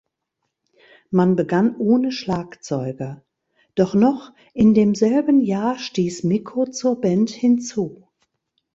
Man begann ohne Schlagzeuger, doch noch in demselben Jahr stieß Mikko zur Band hinzu.